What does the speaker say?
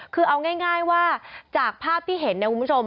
คือเอาง่ายว่าจากภาพที่เห็นเนี่ยคุณผู้ชม